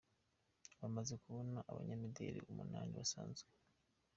Bamaze kubona abanyamideli umunani basanzwe.